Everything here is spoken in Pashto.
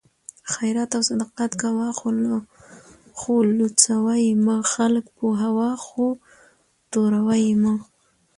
خیرات او صدقات کوه خو لوڅوه یې مه؛ خلک پوهوه خو توروه یې مه